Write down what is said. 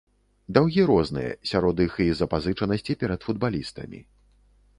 Даўгі розныя, сярод іх і запазычанасці перад футбалістамі.